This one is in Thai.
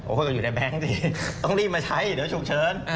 โอ้โฮอยู่ในแบงค์จริงต้องรีบมาใช้เดี๋ยวฉุกเชิญ